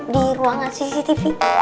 di ruangan cctv